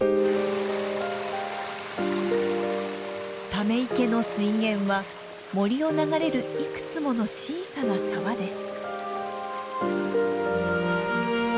ため池の水源は森を流れるいくつもの小さな沢です。